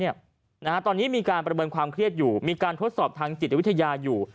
ตอนนี้มีการประเมินความเครียดอยู่มีการทดสอบทางจิตวิทยาอยู่